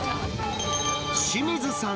清水さん